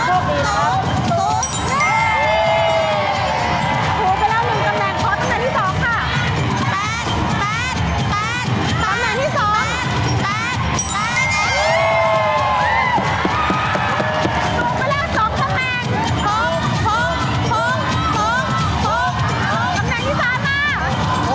ถูกไปแล้ว๑ตำแหน่งพอตำแหน่งที่๒ค่ะ